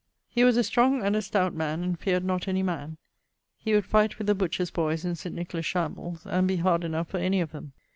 He was a strong and a stowt man and feared not any man. He would fight with the butchers' boyes in St. Nicholas' shambles, and be hard enough for any of them.